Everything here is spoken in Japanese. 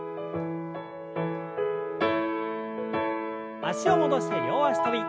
脚を戻して両脚跳び。